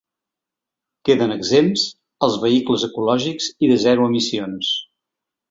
Queden exempts els vehicles ecològics i de zero emissions.